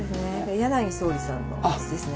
柳宗理さんの椅子ですね。